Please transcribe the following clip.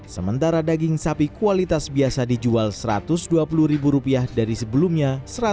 sementara daging sapi kualitas biasa dijual rp satu ratus dua puluh dari sebelumnya